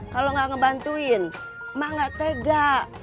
kalau enggak ngebantuin ma enggak tega